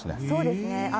そうですね。